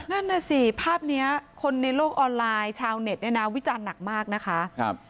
นั่นน่ะสิภาพนี้คนในโลกออนไลน์ชาวเน็ตเนี่ยนะวิจารณ์หนักมากนะคะ